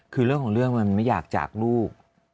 คือเรื่องของเรื่องมันไม่อยากจากลูก